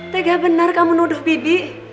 tegah benar kamu nuduh bibi